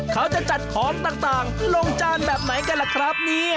เขาจะจัดของต่างลงจานแบบไหนกันแหละครับ